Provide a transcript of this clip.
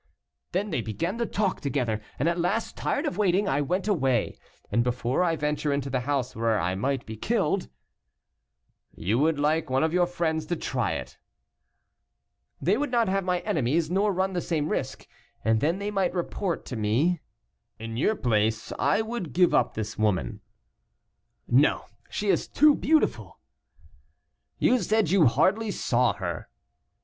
"Then they began to talk together, and at last, tired of waiting, I went away. And before I venture into the house where I might be killed " "You would like one of your friends to try it." "They would not have my enemies, nor run the same risk; and then they might report to me " "In your place I would give up this woman." "No, she is too beautiful." "You said you hardly saw her."